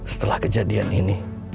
setelah kejadian ini